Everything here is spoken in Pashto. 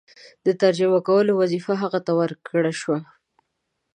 د ترجمه کولو وظیفه هغه ته ورکړه شوه.